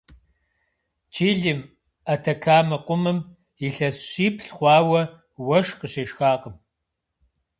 Чилим, Атакамэ къумым, илъэс щиплӏ хъуауэ уэшх къыщешхакъым.